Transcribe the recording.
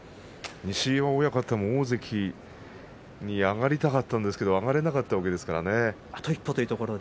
西岩親方も大関に上がりたかったんですが上がれなかったですよね。